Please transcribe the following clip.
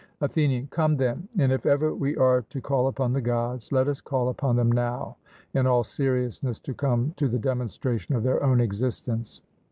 ATHENIAN: Come, then, and if ever we are to call upon the Gods, let us call upon them now in all seriousness to come to the demonstration of their own existence.